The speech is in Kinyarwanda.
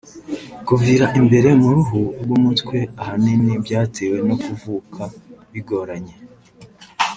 Kuvira imbere mu ruhu rw’umutwe ahanini byatewe no kuvuka bigoranye